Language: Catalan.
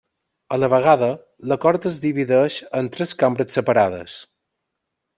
A la vegada, la Cort es divideix en tres Cambres separades.